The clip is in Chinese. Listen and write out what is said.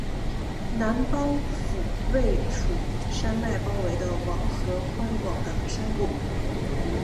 南邦府位处山脉包围的王河宽广的山谷。